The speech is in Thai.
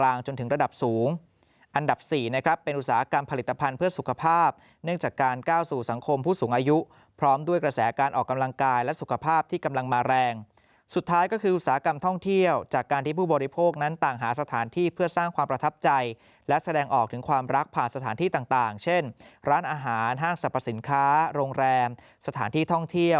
อันดับ๔นะครับเป็นอุตสาหกรรมผลิตภัณฑ์เพื่อสุขภาพเนื่องจากการก้าวสู่สังคมผู้สูงอายุพร้อมด้วยกระแสการออกกำลังกายและสุขภาพที่กำลังมาแรงสุดท้ายก็คืออุตสาหกรรมท่องเที่ยวจากการที่ผู้บริโภคนั้นต่างหาสถานที่เพื่อสร้างความประทับใจและแสดงออกถึงความรักผ่านสถานที่ต่างเ